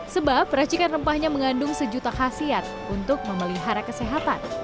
sebab peracikan rempahnya mengandung sejuta khasiat untuk memelihara kesehatan